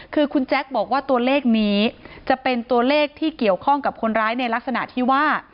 คือคุณแจ๊คบอกว่าตัวเลขนี้จะเป็นตัวเลขที่เกี่ยวข้องกับคนร้ายในลักษณะที่ว่า